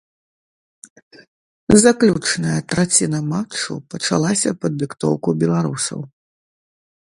Заключная траціна матчу пачалася пад дыктоўку беларусаў.